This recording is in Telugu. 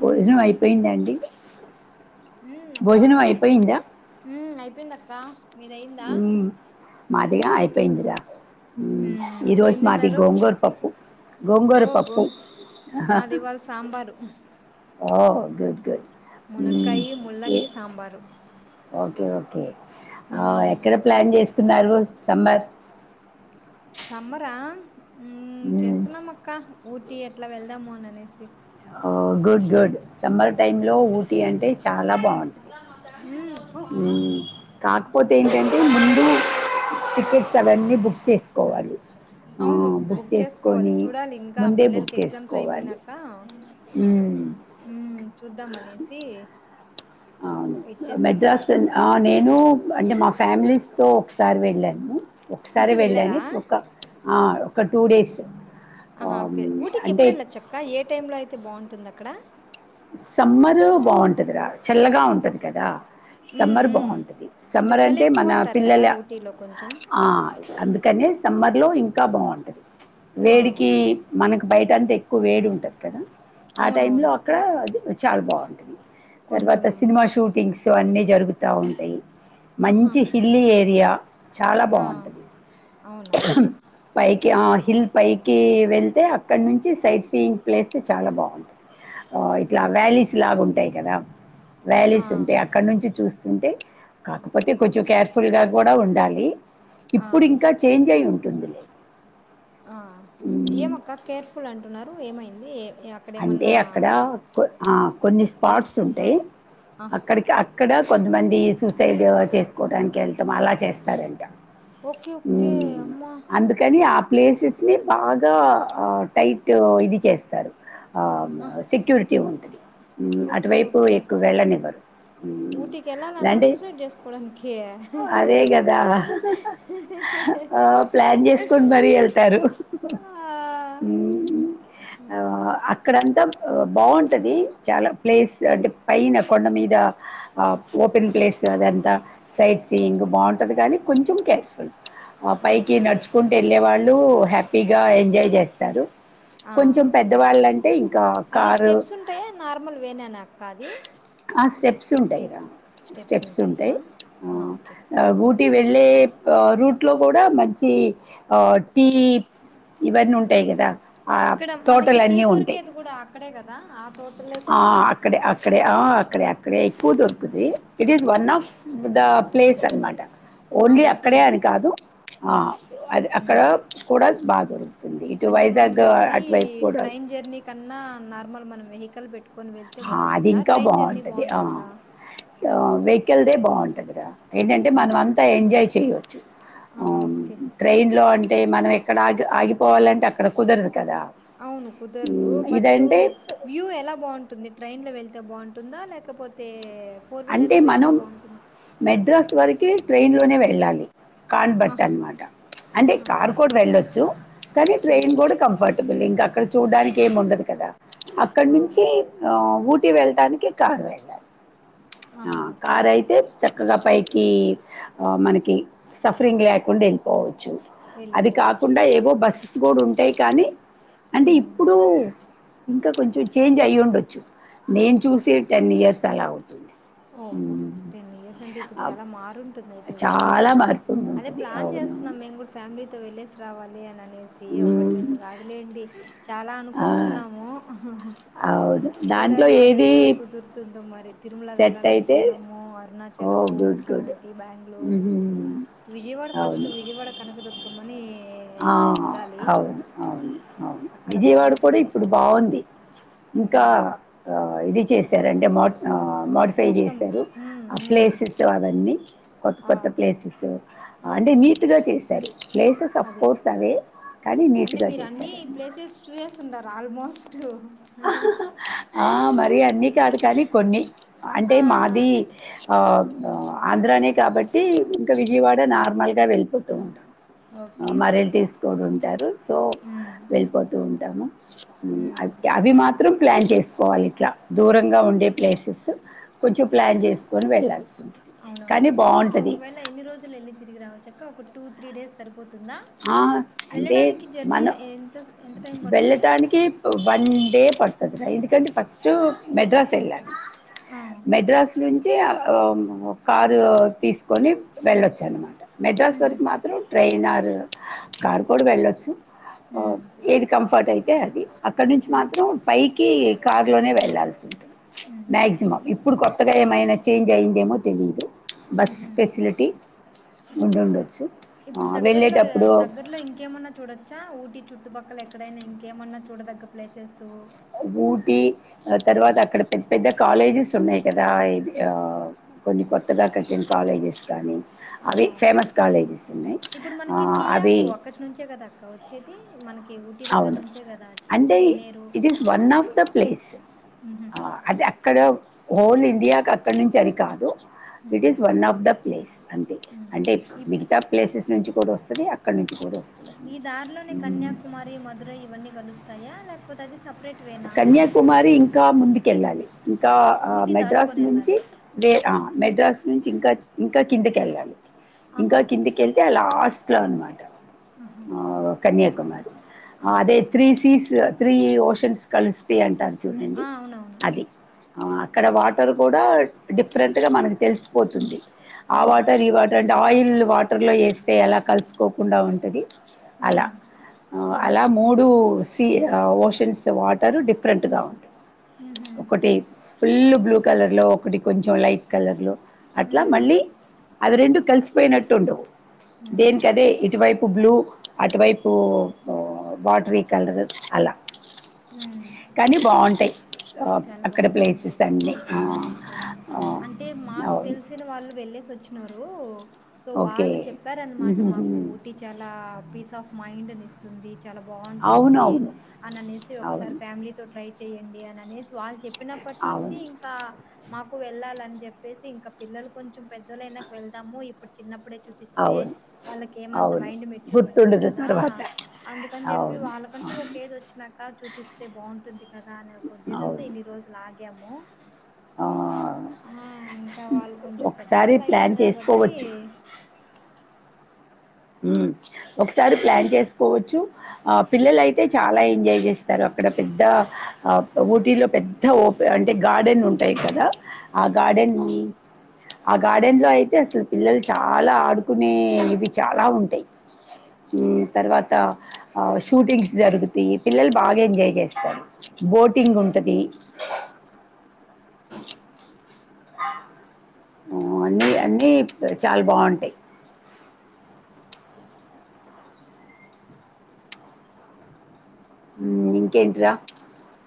భోజనం అయిపోయిందా అండి ఉమ్ అక్క భోజనం హాయ్ ఉమ్ అయిపోయింది అక్ క్క మాదిగా పెందిరా ఉమ్ ఈ రోజు ఏం మాది తిన్నారు గోంగూర పప్పు గోంగూర ఓ పప్పు గోం మాది ఇవాళ సాంబారు ఓ గుడ్ గుడ్ మ్మ్. మునకాయ ముల్లంగి ఏ- సాంబారు ఓకే ఓకే ఆ ఉమ్ ఎక్కడ ప్లాన్ చేస్త స్తున్నారు సమ్మర్ సమ్మరా ఉమ్ మ్మ్. చేస్తున్నాం అక్క ఊట్ టీ ఎట్లా వెళ్దాముఅని అనేసి ఓ గుడ్ గుడ్ సమ్మర్ టైమ్ లో ఊటీ అంటే చాలా బాగుంటుంది ఉమ్ పో ఉమ్ కాకపోతే ఏంటంటే ముందు టికెట్స్ అవన్నీ బుక్ చేసుకోవాలి ఆ, అవును బుక్ చేసుకోవాలి చేసుకొని చూడాలి ఇంకా ముందే బుక్ పిల్లలకి ఎగ్జామ్స్ చేసుకోవాలి అయిపోయినాక మ్మ్. హ్మ్ చూద్దాం, అనేసి అవును వెయిట్ చేస్తున్నాము మెద్రాస్ వెళ్ ఆన్ నేను అంటే మా ఫ్యామిలీస్తో ఒకసారి వెళ్ళాను. ఒకసారి ఊటీ వేళ్లని వెళ్ళారా ఒక్క ప్చ్ ఆ ఒక టూ డేస్ ఆహా ఆమ్, ఓకే ఊటికి అంటే ఎప్పుడు, వెళ్ళా చక్కాయ్ ఏ టైమ్ లో, అయితే బాగుంటుంద క్కడ సమ్మరు బాగుంటదిరా చల్లగా ఉంటది. కదా హ్మ్. సమ్మర్ హ్మ్. బాగుంటది. సమ్మర్ చలి అంటే మన ఎక్కువంటారు కదా! పిల్లెల ఊటీలో కొంచెం. ఆ అందుక్ కానే సమ్మర్ లో ఇంకా బాగుంటది. ప్చ్ ఆ! వేడికి మనక్ బయటంతా ఎక్కువ వేడి ఉంటది. కదా టైంలో అవునవును అక్కడ ఆ అది చాల్ బాగుంటుంది. తర్వాత కొంచెం సినిమా షూటింగ్స్ సో అన్నీ జరుగుత్ తా ఉంటాయి. ఆహా! మంచి హిల్లీ ఏరియా చాలా ఆ! బాగుంటది. అవునా? ప్చ్ హ్మ్ పైక్ హి ఆ హిల్ పైకి వెళ్తే, అక్కడ నుంచి సైట్ సీయింగ్ ప్లేసెస్ చాలా బాగుంటాయి. ఆ ఇట్లా వ్యాలీస్ లాగా ఉంటాయి. కెళ్దాం. ఆ! వ్యాలీస్ ఉంటే, అక్కడ నుంచి చూస్ ఉంటే, కాకపోతే కొంచెం కేర్ఫుల్ గా కూడా ఉండాలి. ప్చ్, ఆ! ఇప్పుడు ఇంకా చేంజ్ అయ్యి ఉం ఆ హ్మ్. ఏమక్క కేర్ఫుల్ అంటున్నార్ రు ఏమైంది. ఏ అంటే అక్కడేమన్నా అక్కడా కు ఆ కొన్ని ఎవరి స్పాట్స్ ఆ! ఉంటాయి. ఆహా! అక్కడికి అక్కడ కొంతమంది సూసైడు చేసుకోవడానికి, వెళ్ త్తము, అలా చేస్తారంట. ఓకే. ఓకే. హ్మ్మ్ అమ్మా! అందుకని ఆ ప్లేసెస్ ని బాగా ప్చ్, ఆ టైటు ఇది చేస్తారు. ఆవున ఆ! సెక్యూరిటీ ఉం ఓకే ఓకే వెళ్ళనివ్వరు మ్మ్. ఊటికి వెళ్ళాలన్న అంటే సూసైడ్ చేసుకోడానికినికిేయ అదే కదా ఆ, ప్లాన్ చేసుకొని మరీ వెళ్తారు హ్మ్. ఆహ్, అక్కడంతా బాగుంటంది చాలా ప్లేస్ అంటే పైన కొండ మీద ఆ ఓపెన్ ప్లేస్ అదంతా సైట్ సీయింగ్ బాగుంటది కానీ కొంచెం కేర్ఫుల్ ఆ పైకి ఓకే నడుచుకుంటూ వెళ్ళే వాళ్ళు హ్యాపీగా ఎంజాయ్ చేస్తారు ఆ కొంచెం పెద్దవాళ్ళకి అది స్టెప్స్ ఉంటాయా నార్మల్ వేనానాక్క అది ఆ! స్టెప్స్ ఉంటాయిరా స్టెప్స్ స్ెప్స్ ఉంటాయా ఉంటాయి ఆ ఓకే వెళ్ళే రూట్ లో కూడా మంచి ఆ టీ ఇవన్నీ ఉంటాయి కదా ఆ తోటలన్నీ ఉంటాయి ది కూడా అక్కడే కదా ఆ తోటి ఆ అక్కడ అక్కడే ఆ అక్కడ అక్కడ ఎక్కువ దొరుకుది it is one of the place అనమాట ఆ ఓన్లీ ఊటీ అక్కడే అని కాదు ఆ ఉమ్, అది అక్కడ ఉమ్. కూడా బాగా దొరుకుతుంది ఇటు అంటే మనం వైజాగ్ ఇది అటువైపు కూడా ట్రైన్ జర్నీ కన్నా నార్మల్ మనం వెహ కల్ెట్టు తీకొని వెళ్తే ఆ, అది బాగుంటుందా ఇంకా ట్రైన్ జర్నీ బాగుంటుంది బాగుంటుందా వెహికల్దే బాగుంటంది ఏంటంటే మనం ఉమ్. అంతా ఎంజాయ్ చేయచ్చు ఆహా ఓకే ట్రైన్ లో అంటే మనం ఎక్కడ ఆగి ఆగిపోవాలంటే అక్కడ కుదరదు కదా అవును కుదరదు ఉమ్, బట్ ఇదంటే వ్యూ ఎలా బాగుంటుంది ట్రైన్లో వెళ్తే బాగుంటుందా లేకపోతే ఫోర్ అంటే వీలర్‌లో వెళ్తే మనం బావుంటుందా? మెడ్రాస్ వరకు ట్రైన్ లోనే వె వెళ్ళాలి కాన్ బట్ ఆహా! అనమాట అంటే ఆహా! కార్కోడ్ వెళ్ళొచ్చు కానీ హ్మ్. ట్రైయిన్ కూడా కంఫర్టబుల్ ఇంకా అక్కడ చూడడానికి ఏమి ఉండదు కదా అక్కడ ఆ! నుంచి ఆ ఊ పటి వెళ్టానికి కారు వెళ్డానికి ఆ ఆహా! ఓకే. కారయితే చక్ చక్కగా పైకి ఆ మనకి సఫరింగ్ లేకుండా వెళ్ళిపోవచ్చు. అది వెళ్ళిపోవచ్చు. కాకుండా ఏవో బస్సు గోడు ఉంటాయి కానీ అంటే హ్మ్. ఇప్పుడు ఇంకా కొంచెం చేంజ్ అయ్యూండ్డొచ్చు నేను చూసే టెన్ ఇయర్స్ అలా అవుతు ఓ అమ్మా టెన్ ఇయర్స్ అంటే ఇప్పుడు ఆ చాలా మారుంటుంది అయితే ఉటీ చాలా మరి మార్పు అదే ఉంటుంది ప్లాన్ అవును చేస్తున్నాం మేము కూడా ఫ్యామిలీతో వెళ్లేేస్ రావాలి అని. అనేసి ఒకటి మ్మ్. రెండు కాదులేండి చాలా ఆ, అనుకుంటున్నాము ఉహు ఉహు అవును దాంట్లో ఏది ంది మరి థ్ సెట్ అయితే వెళ్ళాలనుకుంటున్నాము ఓ అరుణాచలము గుడ్ ఇట్లా గుడ్ ఊటి బ్యాంగ్ళూర్ మ్మ్. విజయవాడ ఫస్ట్ అవును విజయవాడ కనకదుర్గమ్మ నీ ఆ అవును అవును అవును అక్కడ విజయవాడ కూడా బావుంటుంది. ఇప్పుడు బాగుంది ఇంకా హ్మ్. అ ఇది చేశారంటే మట్న మాడిఫై మొత్తం చేశారు హ్మ్. ఆ హ్మ్. ప్లేసెస్ అవన్నీ కొత్త ఆ! కొత్త ప్లేసెస్ అంటే ఆ! నీట్గా చేశారు ప్లేసెస్ ఆ అంటే మీరు అన్ని చేశారు ప్లేసెస్ చూసొస్తుంటారు ఆల్మోస్ట్ ఆ మరి అన్నీ కాదు కానీ కొన్ని అంటే ఆ! మాది ఆ ఆంధ్రానే కాబట్టి ఇంకా విజయవాడ నార్మల్ గా వెళ్ళిపోతూ ఉంటాం. ఓకే. మరి ఎల్లి ఓకే. తీసుకొని ఉంటారు సో హ్మ్. వెళ్ళిపోతూ ఉంటాము ఊ హ్మ్. మాత్రం ప్లాన్ చేసుకోవాలి ఇట్లా దూరంగా ఉండే ప్లేసెస్ కొంచెం ప్లాన్ చేసుకొని వెళ్ళాలి. అవునవును ఊటీకి ఒకవేళ ఎన్ని రోజులు వెళ్ళి తిరిగి రావచ్చు. ఇంక ఒక టూ త్రీ డేస్ సరిపోతు ఆ అంటే మనం ఎంత స్ ఎంత టైం పడుతుంది? వెళ్ళటానికి వన్ డే పడుతు తుంది. ఎందుకంటే ఫస్ట్ మెడ్రాస్ వెళ్ళాలి. ఆ! మెడ్రాస్ నుంచి వచ్చి కారు తీసుకొని వెళ్ళొచ్చాన్నమాట. మెడ్రాస్ హుహు. వరకు మాత్రం ట్రైయినరు. కారు కూడా వెళ్ళొచ్చు. ఓ హ్మ్. ఏది కంఫర్ట్ అయితే అంటే అది అక్కడ నుంచి హ్మ్. మాత్రం పైకి కారు లోనే వెళ్లాల్సి ఉంటుంది హ్మ్. మాక్సిమం హ్మ్. ఇప్పుడు కొత్తగా ఏమైన చేంజ్ అయ్యిందేమో తెలిదు బస్ హుహు. ఓకే. ఫెసిలిటీ హ్మ్. ఉండిండొచ్చు ఇప్పుడు దగ్గరలో వెళ్ళేటప్పుడు దగ్గరలో ఇంకేమన్నా చూడొచ్చా ఊటి చుట్టుపక్కల ఎక్కడైనా ఇంకేమన్నా చూడదగ్గ ప్లేసెస్ ఊటి తర్వాత అక్కడ పెద్ద కాలేజెస్ ఉన్నాయి కదా ఇ ఆ కొన్ని కొత్తగా కట్టిన కాలేజెస్ కానీ అవి ఆహా ఓకే ఫేమస్ కాలేజెస్ ఉన్నాయి ఇప్పుడు ఆ, మనకి టీ అవి ఆకు ఒక్కటి నుంచే కదా అక్క వచ్చేది మనకి ఊటీ దగ్గర అవును నుంచే కదా అంటే తేనేరు ఇట్ ఇస్ ఆ! వన్ ఆఫ్ ద ప్లేస్ ఆ అది అక్కడ హోల్ ఇండియా అక్కడ నుంచి అది కాదు ఇట్ హ్మ్. Is one of the place అంతే హ్మ్. అంటే ఇప్ మిగతా ప్లేసెస్ నుంచి కూడా వస్తు సరే అక్కడి నుంచి కూడా వస్తుంది మీ అన్నమాట. దారిలోనే మ్మ్. కన్యాకుమారి మధురై ఇవన్నీ కలుస్తాయా లేకపోతే అది సెపరేట్ వేనా? కన్యాకుమారి ఇంకా ముందుకెళ్ళాలి ఇంకా ఓకే. ఊటీ మెడ్రాస్ నుంచి దాటుకొనెళ్ళాలి. మెడ్రాస్ నుంచి ఇంకా ఇంకా కిందకి వెళ్ళాలి ఆహా! ఇంకా ఓకే. కిందికిళ్తే ఆ లాస్ట్ అలా అన్నమాట ఆహా! ఆ కన్యాకుమారి ఆ! అదే త్రీ సీట్స్ త్రీ ఓషన్స్ కలిస్తే అంటారు చూడండి ఆ! అవునవును. అది అక్కడ వాటర్ కూడా డిఫరెంట్గా మనకి తెలిసిపోతుంది ఆ వాటర్ ఈ వాటర్ అంటే ఆయిల్ వాటర్ లో వేస్తే ఎలా కలుసుకోకుండా ఉంటంది అలా హ్మ్. హుహు. అలా మూడు సీ ఓషన్స్ వాట్ తను డిఫరెంట్ గా ఉంది హుహు. ఒకటి ఫుల్ బ్లూ కలర్లో ఒకటి కొంచెం లైట్ కలర్లో అట్లా హ్మ్. మళ్ళీ అవి రెండు కలిసిపోయినట్టుండు దేనికి హ్మ్. అదే ఇటువైపు బ్లూ అటువైపు వాటర్ ఇక్కండదు అలా హు కానీ బాగుంటాయి ఆ, చాలా అక్కడ బాగుంటుంది ప్లేసెస్ అయితే అన్నీ ఊటీ ఆ, చూడ్డానికి కూడా ఆ, అంటే మాకు అవును తెలిసిన వాళ్ళు వెళ్లేేసి వచ్చు నూరు... సో ఓకే వాళ్ళు చెప్పారన్నామాట మాకు ఊటి చాలా పీస్ ఆఫ్ మైండ్ అని వస్తుంది చాలా అవును బాగుంటుంది అవును అని అనేసి ఒక్క సారి అవును ఫ్యామిలీతొట్రా శుద్దిచేయండి అని అనేసి వాల్ చెప్ప చిన్నప్పటి నుంచి అవును ఇంకా మాకు వెళ్ళాలిని చెప్పేసి ఇంకా పిల్లలు కొంచెం పెద్దలైనాక వెళ్దాము ఇప్పుడు చిన్నప్పుడె చూపిస్తే అవును వాళ్ళకు ఏమాంత అవును మైండ్ మెచ్యూర్ ఉండదు గుర్తుండదు కదా తర్వాత అందుకని చెప్పి అవును వాళ్ళకంటూ అవును ఒక ఏజ్ వచ్చినక ఇంకాచూపిస్తే బాగుంటుంది కదా అనే ఉద్దేశం తొ అవును ఇన్ని రోజులు ఆగి యమో ఆ, ఆ ఇంకా వాళ్ళు కొంచెం ఒకసారి పెద్దవాళ్ళు ప్లాన్ అయ్యారు కాబట్టి చేసుకోవచ్చు ఉ ఒక్కసారి ప్లాన్ చేసుకోవచ్చు ఆ పిల్లలు అయితే చాలా ఎంజాయ్ చేస్తారు అక్కడ పెద్ద ఆ ఊటీలో పెద్ద ఓప అంటే గార్డెన్ ఉంటాయి కదా ఆ గార్డెన్ ఆ గార్డెన్ లో అయితే అసలు పిల్లలు చాలా ఆడుకునే ఇవి చాలా ఉంటాయి ఉ తర్వాత ఆ షూటింగ్స్ జరుగుతాయి పిల్లలు బాగా ఎంజాయ్ చేస్తారు బోటింగ్ ఉంటాది ఆ అన్ని అన్ని చాలా బాగుంటాయి ఇంకేంటి రా